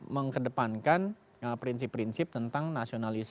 menurut saya diperlukan adalah